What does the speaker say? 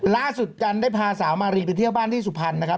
ล่าสุดกันได้พาสาวมารีเที่ยวบ้านที่สุพรรณครับ